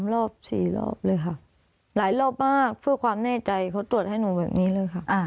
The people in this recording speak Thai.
รอบ๔รอบเลยค่ะหลายรอบมากเพื่อความแน่ใจเขาตรวจให้หนูแบบนี้เลยค่ะ